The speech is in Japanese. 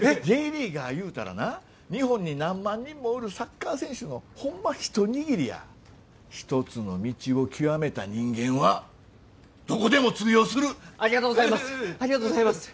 Ｊリーガーいうたらな日本に何万人もおるサッカー選手のホンマ一握りや一つの道をきわめた人間はどこでも通用するありがとうございますありがとうございます